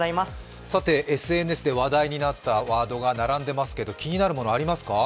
ＳＮＳで話題にあったワードが並んでいますけど、気になるものありますか？